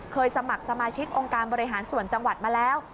สมัครสมาชิกองค์การบริหารส่วนจังหวัดมาแล้ว